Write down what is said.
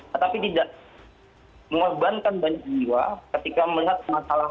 tetapi tidak mengorbankan banyak jiwa ketika melihat masalahan pemerintah